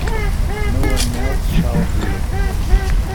No one else shall hear.